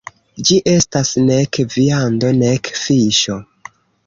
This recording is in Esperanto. Ĝi estas nek viando nek fiŝo.